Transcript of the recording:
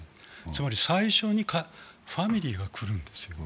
つまり最初にファミリーが来るんですよ。